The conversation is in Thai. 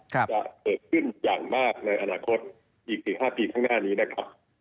จะเกิดขึ้นอย่างมากในอนาคตอีก๔๕ปีข้างหน้านี้นะครับ